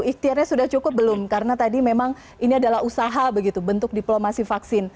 ikhtiarnya sudah cukup belum karena tadi memang ini adalah usaha begitu bentuk diplomasi vaksin